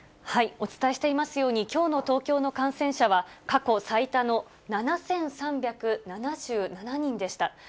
お伝えしていますように、きょうの東京の感染者は過去最多の７３７７人でした。